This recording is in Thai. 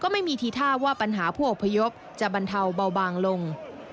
ไม่มีทีท่าว่าปัญหาผู้อพยพจะบรรเทาเบาบางลง